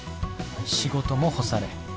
仕事も干され。